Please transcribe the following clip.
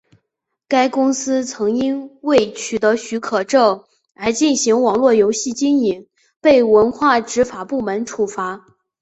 该公司曾因未取得许可证而进行网络游戏经营被文化执法部门处罚。